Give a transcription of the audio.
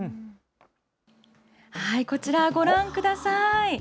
こちら、ご覧ください。